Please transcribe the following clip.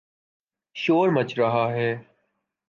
شور مچ رہا ہے۔